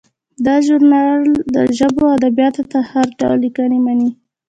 دا ژورنال د ژبو او ادبیاتو هر ډول لیکنې مني.